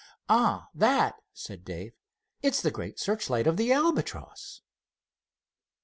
"Ah, that?" said Dave; "it's the great searchlight of the Albatross."